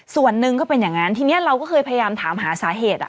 ส่วนหนึ่งก็เป็นอย่างนั้นทีนี้เราก็เคยพยายามถามหาสาเหตุ